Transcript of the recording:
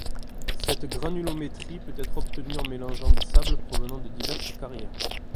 Cette granulométrie peut être obtenue en mélangeant des sables provenant de diverses carrières.